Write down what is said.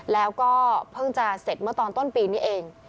แล้วก็เพิ่งจะเสร็จเมื่อตอนต้นปีนี้เอง